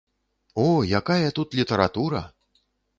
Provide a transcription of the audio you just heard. О, якая тут літаратура!